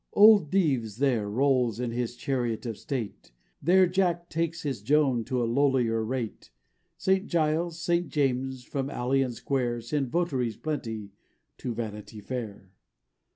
Old Dives there rolls in his chariot of state, There Jack takes his Joan at a lowlier rate, St Giles', St James', from alley and square, Send votaries plenty to Vanity Fair.